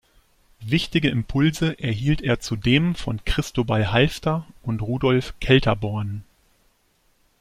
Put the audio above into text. Wichtige Impulse erhielt er zudem von Cristóbal Halffter und Rudolf Kelterborn.